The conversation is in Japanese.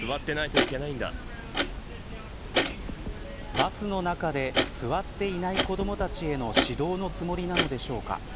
バスの中で座っていない子どもたちへの指導のつもりなのでしょうか。